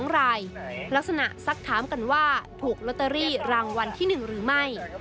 รางวัลที่๑หรือไม่